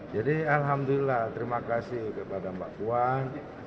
jadi alhamdulillah terima kasih kepada mbak puan